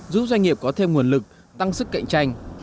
giúp doanh nghiệp có thêm nguồn lực tăng sức cạnh tranh